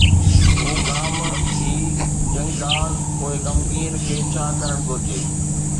هو غام هي جنگداز، پوءِ غمگين کي ڇا ڪرڻ گهرجي؟